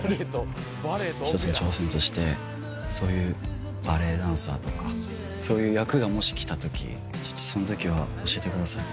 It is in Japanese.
１つの挑戦としてそういうバレエダンサーとかそういう役がもし来た時その時は教えてください。